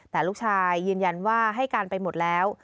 แต่ลูกชายยืนยันว่าให้การไปหมดแล้ว